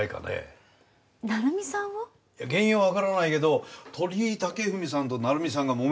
原因はわからないけど鳥居武文さんと成美さんがもめていた。